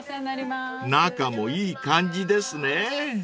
［中もいい感じですね］